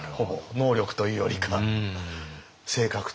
能力というよりか性格というか。